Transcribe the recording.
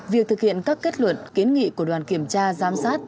việc thực hiện các kết luận kiến nghị của đoàn kiểm tra giám sát